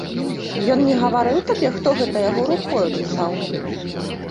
Ён не гаварыў табе, хто гэта яго рукою пісаў?